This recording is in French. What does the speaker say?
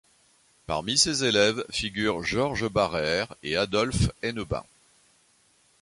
Parmi ses élèves figurent Georges Barrère et Adolphe Hennebains.